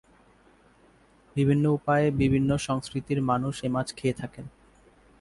বিভিন্ন উপায়ে বিভিন্ন সংস্কৃতির মানুষ এ মাছ খেয়ে থাকেন।